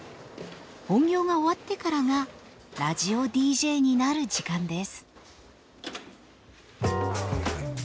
本業が終わってからがラジオＤＪになる時間です。